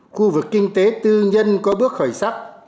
khu vực kinh tế tư nhân có bước khởi sắc